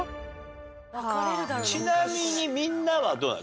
ちなみにみんなはどうなの？